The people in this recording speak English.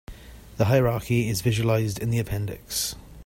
The hierarchy is visualized in the appendix.